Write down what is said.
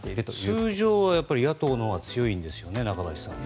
通常は野党のほうが強いんですよね、中林さん。